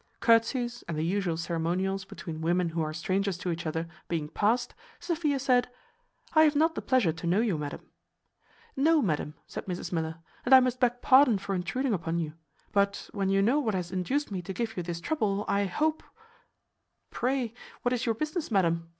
Curtsies and the usual ceremonials between women who are strangers to each other, being past, Sophia said, "I have not the pleasure to know you, madam." "No, madam," answered Mrs Miller, "and I must beg pardon for intruding upon you. But when you know what has induced me to give you this trouble, I hope " "Pray, what is your business, madam?"